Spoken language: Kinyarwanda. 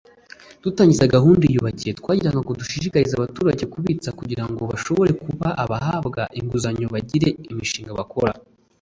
dutangiza gahunda ya ‘Iyubake’ twagira ngo dushishikarize abaturage kubitsa kugira ngo bashobore kuba bahabwa inguzanyo bagire imishinga bakora